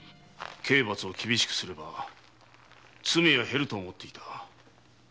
刑罰を厳しくすれば罪は減ると思っていた。